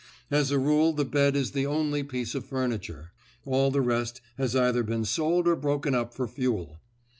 As a rule the bed is the only piece of furniture; all the rest has either been sold or broken up for fuel.